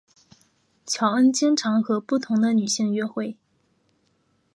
乔恩经常和不同的女性约会。